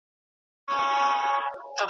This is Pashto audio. نه پوهېږم پر دې لاره څرنګه ولاړم .